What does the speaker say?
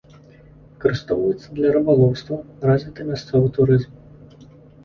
Выкарыстоўваецца для рыбалоўства, развіты мясцовы турызм.